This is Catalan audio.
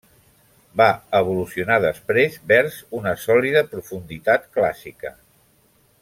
Va evolucionar després vers una sòlida profunditat clàssica.